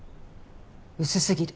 薄すぎる。